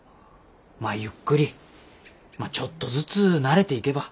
まあゆっくりちょっとずつ慣れていけば。